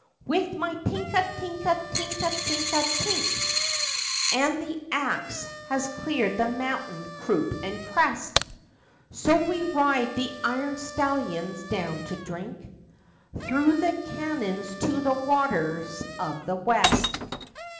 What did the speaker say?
With my "Tinka tinka tinka tinka tink!" [And the axe has cleared the mountain, croup and crest!] So we ride the iron stallions down to drink, Through the cañons to the waters of the West!